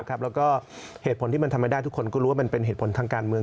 แล้วก็เหตุผลที่มันทำไม่ได้ทุกคนก็รู้ว่ามันเป็นเหตุผลทางการเมือง